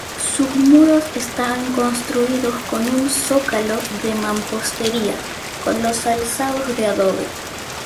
Sus muros están construidos con un zócalo de mampostería, con los alzados de adobe.